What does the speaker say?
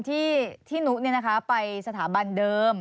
ที่นุไปสถาบันเดิม